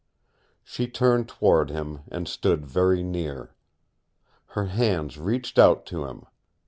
She turned toward him, and stood very near. Her hands reached out to him.